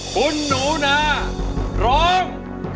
คุณหนูนาร้อง